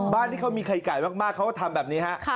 บ้านที่เขามีไข่ไก่มากเขาก็ทำแบบนี้ฮะ